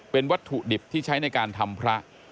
เป็นวัตถุดิบที่ใช้ในการทำพระ